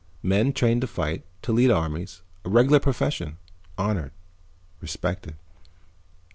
Men trained to fight, to lead armies, a regular profession. Honored, respected."